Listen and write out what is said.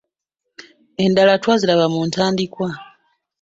Endala twaziraba mu ntandikwa.